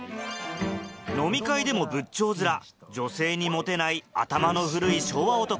飲み会でも仏頂面女性にモテない頭の古い昭和男